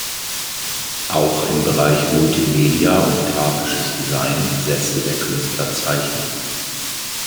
Auch im Bereich Multimedia und graphisches Design setzte der Künstler Zeichen.